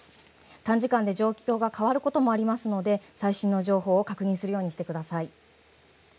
短時間で状況が変わることもありますので最新の情報を確認するようにしてください。